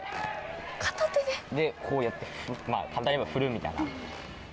こうやって簡単に言えば振るみたいな。